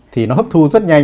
thì nó hấp thu rất nhanh